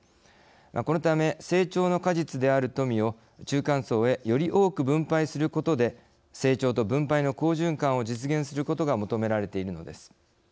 このため、成長の果実である富を中間層へより多く分配することで成長と分配の好循環を実現することが求められているのです。